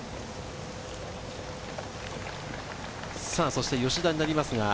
そして吉田になります。